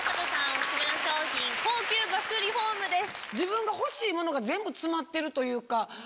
オススメの商品高級バスリフォームです。